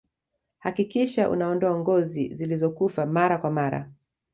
hakikisha unaondoa ngozi zilizokufa mara kwa mara